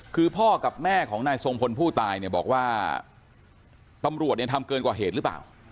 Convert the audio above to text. คือพ่อกับแม่ของนายทรงพลผู้ตายเนี่ยบอกว่าตำรวจเนี่ยทำเกินกว่าเหตุหรือเปล่า